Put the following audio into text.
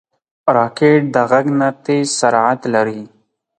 راکټ د غږ نه تېز سرعت لري